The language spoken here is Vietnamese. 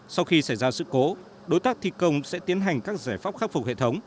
sau khi xảy ra sự cố đối tác thi công sẽ tiến hành các giải pháp khắc phục hệ thống